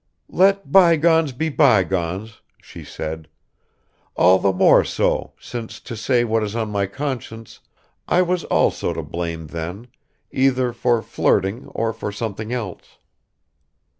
"Let bygones be bygones," she said, "all the more so, since, to say what is on my conscience, I was also to blame then, either for flirting or for something else.